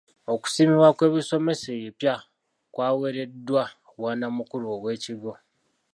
Okusiimibwa kw'ebisomesa ebipya kwawereddwa bwanamukulu ow'ekigo.